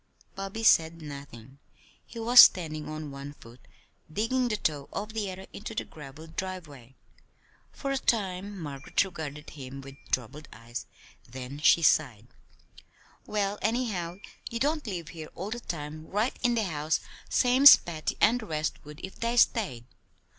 Bobby said nothing. He was standing on one foot, digging the toe of the other into the graveled driveway. For a time Margaret regarded him with troubled eyes; then she sighed: "Well, anyhow, you don't live here all the time, right in the house, same's Patty and the rest would if they stayed.